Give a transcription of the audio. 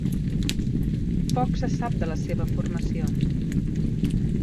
Poc se sap de la seva formació.